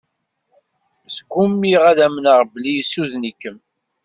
Sgumiɣ ad amneɣ belli yessuden-ikem.